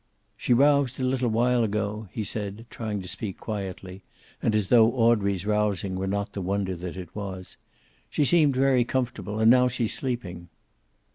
"She roused a little while ago," he said, trying to speak quietly, and as though Audrey's rousing were not the wonder that it was. "She seemed very comfortable. And now she's sleeping."